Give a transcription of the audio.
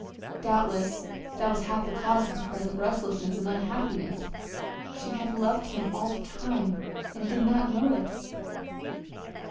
Doubtless that was half the cause of her present restlessness and unhappiness she had loved him all the time, and did not know it!